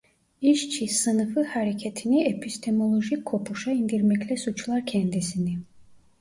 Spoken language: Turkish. İşçi sınıfı hareketini "epistemolojik kopuş"a indirmekle suçlar kendisini.